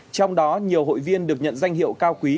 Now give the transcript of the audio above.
trong đó nhiều hội viên được nhận danh hiệu cao quý